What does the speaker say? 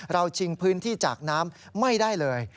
ชิงพื้นที่จากน้ำไม่ได้เลย